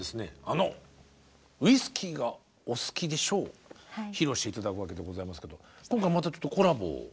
あの「ウィスキーが、お好きでしょ」を披露して頂くわけでございますけど今回またちょっとコラボを。